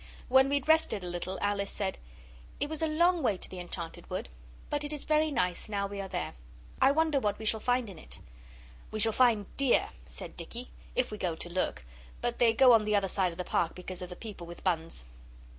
When we'd rested a little, Alice said 'It was a long way to the enchanted wood, but it is very nice now we are there. I wonder what we shall find in it?' 'We shall find deer,' said Dicky, 'if we go to look; but they go on the other side of the Park because of the people with buns.